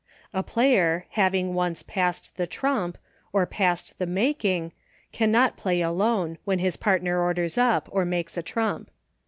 A player, having once passed the trump, or passed the making, cannot Play Alone, when his partner orders up, or makes a trump.